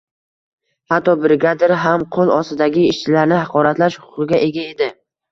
Hatto brigadir ham qo‘l ostidagi ishchilarni haqoratlash “huquqi”ga ega edi